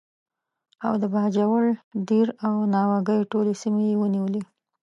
او د باجوړ، دیر او ناوګۍ ټولې سیمې یې ونیولې.